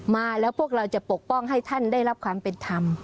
มาแล้วพวกเราจะปกป้องให้ท่านได้รับความเป็นธรรม